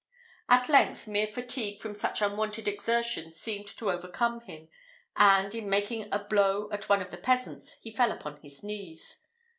At length, mere fatigue from such unwonted exertions seemed to overcome him, and, in making a blow at one of the peasants, he fell upon his knees.